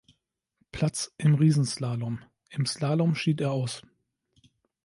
Platz im Riesenslalom; im Slalom schied er aus.